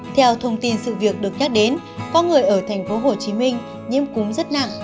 theo thông tin sự việc được nhắc đến có người ở tp hcm nhiễm cúm rất nặng